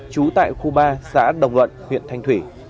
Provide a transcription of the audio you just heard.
trú tại khu ba xã đồng luận huyện thanh thủy